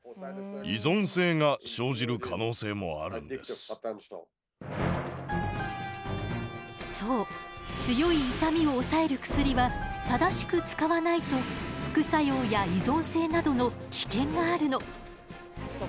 なぜならそう強い痛みを抑える薬は正しく使わないと副作用や依存性などの危険があるの。